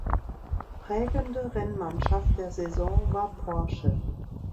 Prägende Rennmannschaft der Saison war Porsche.